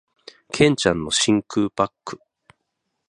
剣ちゃんの真空パック